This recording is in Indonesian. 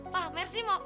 pa mersi mau